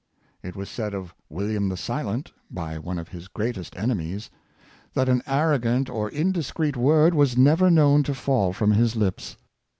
It was said of William the Silent, by one of his greatest enemies, that an arrogant or indiscreet word was never known to fall from his lips.